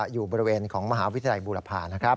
อยู่บริเวณของมหาวิทยาลัยบูรพานะครับ